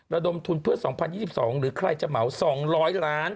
ระดมทุนเพื่อสองพันยี่สิบสองหรือใครจะเหมาะสองร้อยล้าน